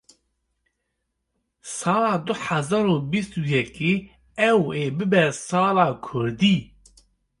sala du hezar û bîst û yekê ew ê bibe sala kurdî.